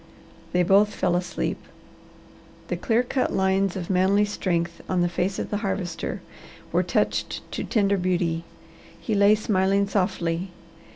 They both fell asleep. The clear cut lines of manly strength on the face of the Harvester were touched to tender beauty. He lay smiling softly.